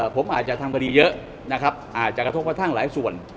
ผมอาจจะทำคดีเยอะนะครับอาจจะกระทบกระทั่งหลายส่วน